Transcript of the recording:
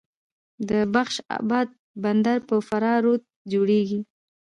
د بخش اباد بند په فراه رود جوړیږي